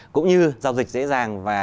cũng như giao dịch dễ dàng và